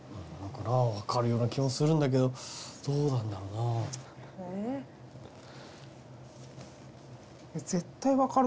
分かるような気もするんだけどどうなんだろうな。